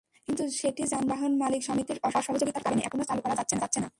কিন্তু সেটি যানবাহন মালিক সমিতির অসহযোগিতার কারণে এখনো চালু করা যাচ্ছে না।